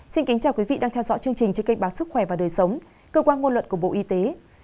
xin kính chào quý vị đang theo dõi chương trình trên kênh báo sức khỏe và đời sống cơ quan ngôn luận của bộ y tế